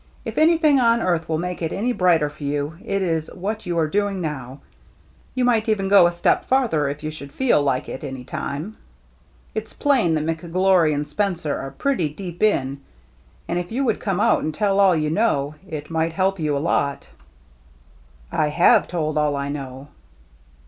If anything on earth will make it any brighter for you, it is what you are doing now. You might even go a step farther if you should feel like it any time. It's plain 253 254 THE MERRT JNNE that McGlory and Spencer are pretty deep in, and if you would come out and tell all you know, it might help you a lot." " I have told all I know."